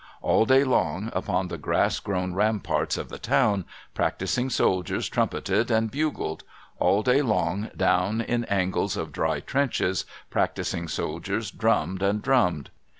All day long, upon the grass grown ramparts of the town, practising soldiers trumpeted and bugled ; all day long, down in angles of dry trenches, practising soldiers drummed and drummed.